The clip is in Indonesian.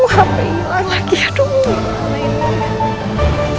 hapenya hilang lagi ya aduh